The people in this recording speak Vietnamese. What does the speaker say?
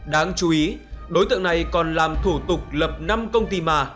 đáng chú ý đối tượng này còn làm thủ tục lập năm công ty mà